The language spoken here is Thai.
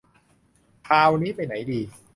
คราวนี้ไปไหนดี